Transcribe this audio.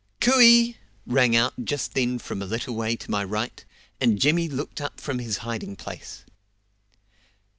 "Cooey!" rang out just then from a little way to my right, and Jimmy looked up from his hiding place.